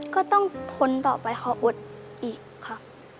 ก็ต้องคนต่อไปเขาอดอีกค่ะ